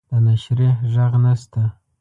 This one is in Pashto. د نشریح ږغ نشته